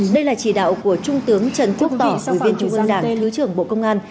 đây là chỉ đạo của trung tướng trần quốc tỏ ủy viên trung ương đảng thứ trưởng bộ công an